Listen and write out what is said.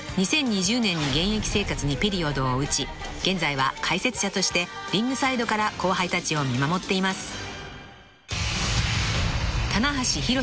［２０２０年に現役生活にピリオドを打ち現在は解説者としてリングサイドから後輩たちを見守っています］